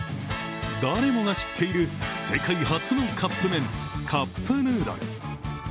誰もが知っている世界初のカップ麺、カップヌードル。